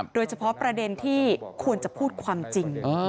โดยเฉพาะประเด็นที่ควรจะพูดความจริง